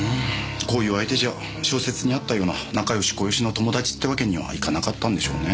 こういう相手じゃ小説にあったような仲良しこよしの友達って訳にはいかなかったんでしょうね。